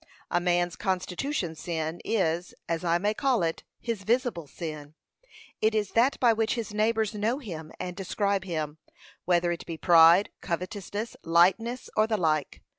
A man's constitution sin is, as I may call it, his visible sin; it is that by which his neighbours know him and describe him, whether it be pride, covetousness, lightness, or the like.